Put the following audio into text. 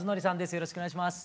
よろしくお願いします。